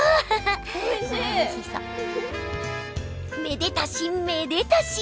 めでたしめでたし！